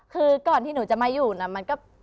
คือก่อนที่หนูจะมาอยู่นะ